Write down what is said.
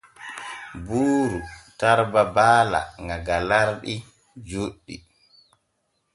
Buuru tarbi baala ŋa galarɗi juɗɗi.